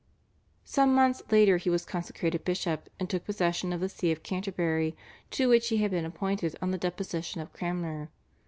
Some months later he was consecrated bishop and took possession of the See of Canterbury to which he had been appointed on the deposition of Cranmer.